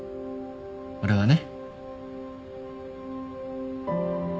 俺はね。